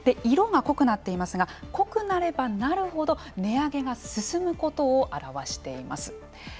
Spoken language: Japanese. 色が濃くなっていますが濃くなればなるほど値上げが進むことを表しています。